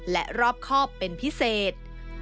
และรอบครอบเป็นพิเศษ